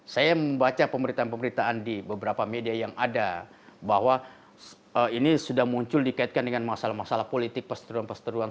saya membaca pemberitaan pemberitaan di beberapa media yang ada bahwa ini sudah muncul dikaitkan dengan masalah masalah politik perseteruan perseteruan